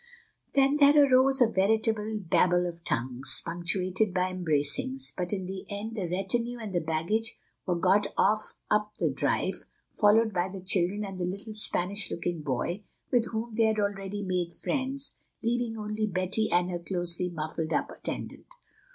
Then there arose a veritable babel of tongues, punctuated by embracings; but in the end the retinue and the baggage were got off up the drive, followed by the children and the little Spanish looking boy, with whom they had already made friends, leaving only Betty and her closely muffled up attendant.